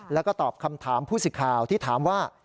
แล้วก็ตอบคำถามผู้สิทธิ์ข่าวที่ถามว่า